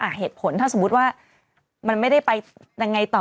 เหตุผลถ้าสมมุติว่ามันไม่ได้ไปยังไงต่อ